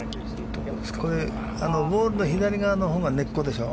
ボールの左側のほうが根っこでしょ。